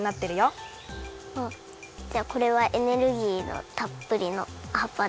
じゃあこれはエネルギーのたっぷりのはっぱだ。